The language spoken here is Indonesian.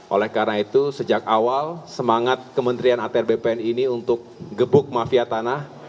oleh karena itu sejak awal semangat kementerian atr bpn ini untuk gebuk mafia tanah